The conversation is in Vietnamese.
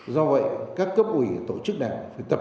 do vậy các cấp ủy tổ chức đảng phải tập trung